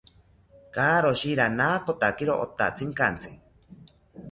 Karoshi ranakotakiro otatzinkantzi